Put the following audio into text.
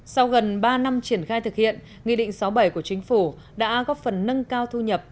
sau gần ba năm triển khai thực hiện nghị định sáu bảy của chính phủ đã góp phần nâng cao thu nhập